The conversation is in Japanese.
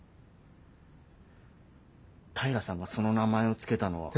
平さんがその名前を付けたのは。